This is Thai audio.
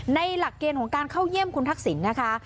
หลักเกณฑ์ของการเข้าเยี่ยมคุณทักษิณนะคะ